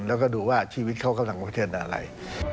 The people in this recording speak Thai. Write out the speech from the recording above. แล้วก็ดูว่าชีวิตเขากำลังเผชิญอะไร